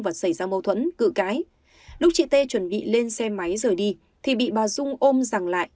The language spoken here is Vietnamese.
và xảy ra mâu thuẫn cự cái lúc chị t chuẩn bị lên xe máy rời đi thì bị bà dung ôm ràng lại